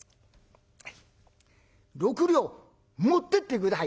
「６両持ってって下さい」。